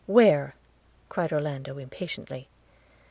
'Where?' cried Orlando, impatiently.